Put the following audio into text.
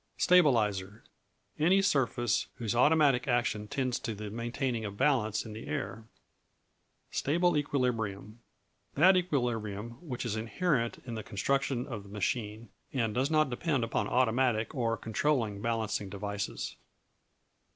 Stabilizer Any surface whose automatic action tends to the maintaining of balance in the air. Stable Equilibrium That equilibrium which is inherent in the construction of the machine, and does not depend upon automatic or controlling balancing devices.